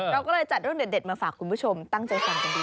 เราก็เลยจัดเรื่องเด็ดมาฝากคุณผู้ชมตั้งใจฟังกันดี